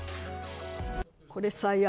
これ最悪？